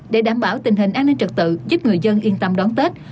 để đảm bảo tình hình an ninh trật tự giúp người dân yên tâm đón tết